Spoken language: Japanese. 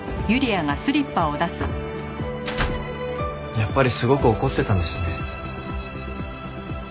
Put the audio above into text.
やっぱりすごく怒ってたんですね。